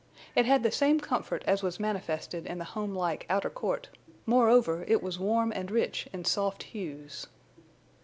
It had the same comfort as was manifested in the home like outer court; moreover, it was warm and rich in soft hues.